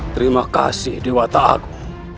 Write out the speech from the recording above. terima kasih dewa ta'agu